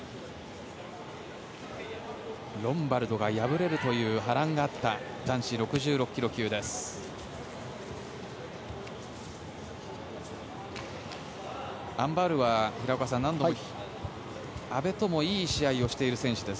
ロンバルドが敗れるという波乱があった男子６６ｋｇ級です。